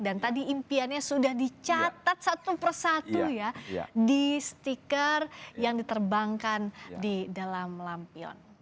dan tadi impiannya sudah dicatat satu persatu ya di stiker yang diterbangkan di dalam lampion